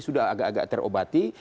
sudah agak agak terobati